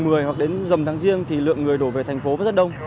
mùng tháng riêng thì lượng người đổ về thành phố vẫn rất đông